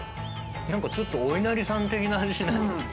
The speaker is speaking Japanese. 何かちょっとおいなりさん的な味しない？